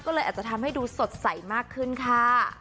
ก็เลยอาจจะทำให้ดูสดใสมากขึ้นค่ะ